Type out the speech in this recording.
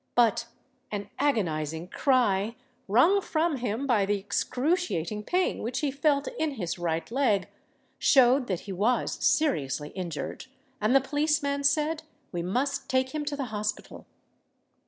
But an agonising cry, wrung from him by the excruciating pain which he felt in his right leg, showed that he was seriously injured; and the policeman said, "We must take him to the hospital."